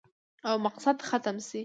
او مقصد ختم شي